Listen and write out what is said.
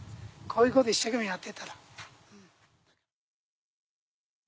こういうこと一生懸命やってたら。